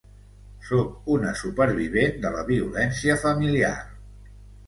Sóc una supervivent de la violència familiar.